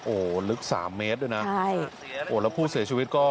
โอ้ลึก๓เมตรด้วยนะโอ้แล้วผู้เสียชีวิตก็